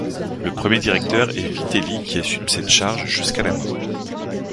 Le premier directeur est Vitelli qui assume cette charge jusqu'à la mort.